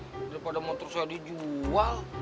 daripada motor saya dijual